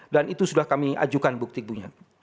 dan itu sudah kami ajukan bukti punya